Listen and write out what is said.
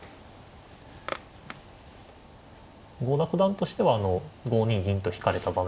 郷田九段としては５二銀と引かれた場面というのは。